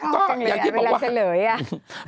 ชอบกันเลยอันเวลาเฉลยอ่ะ